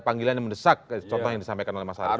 panggilan yang mendesak contoh yang disampaikan oleh mas arief